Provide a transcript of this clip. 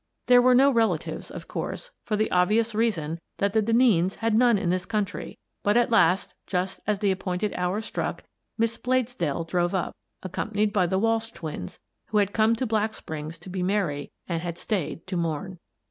There were no relatives, of course, for the obvious reason that the Denneens had none in this country, but at last, just as the appointed hour struck, Miss Blades dell drove up, accompanied by the Walsh twins, who had come to Black Springs to be merry and had stayed to mourn.